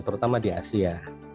terutama di asia